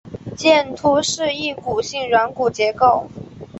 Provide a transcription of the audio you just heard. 剑突是一骨性软骨结构。